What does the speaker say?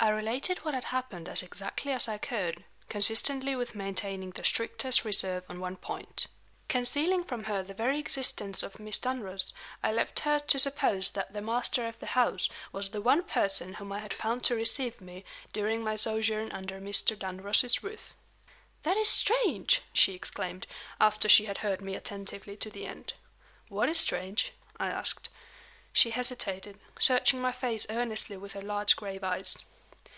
I related what had happened as exactly as I could, consistently with maintaining the strictest reserve on one point. Concealing from her the very existence of Miss Dunross, I left her to suppose that the master of the house was the one person whom I had found to receive me during my sojourn under Mr. Dunross's roof. "That is strange!" she exclaimed, after she had heard me attentively to the end. "What is strange?" I asked. She hesitated, searching my face earnestly with her large grave eyes.